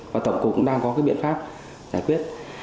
và tổng cục cũng đang có cái biện pháp giải quyết